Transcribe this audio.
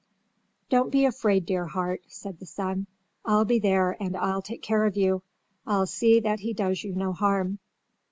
"Don't be afraid, dear heart," said the son. "I'll be there and I'll take care of you. I'll see that he does you no harm."